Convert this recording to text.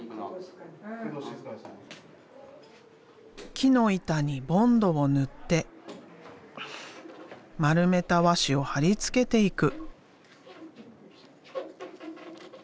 木の板にボンドを塗って丸めた和紙を貼り付けていく。